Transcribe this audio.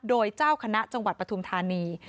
โดยเจ้าคณะจังหวัดปฐุมธานี